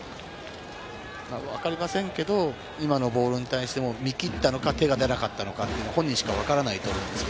わかりませんけれども、今のボールに対しても見切ったのか、手が出なかったのかというのは本人にしかわからないんです。